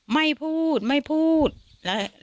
ไม่พูดไม่พูดนะวันต้าออกไม่ต้อง